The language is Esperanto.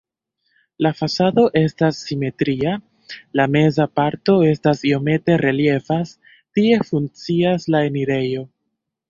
La fasado estas simetria, la meza parto estas iomete reliefas, tie funkcias la enirejo.